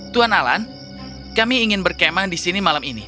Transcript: tuan alan kami ingin berkemang di sini malam ini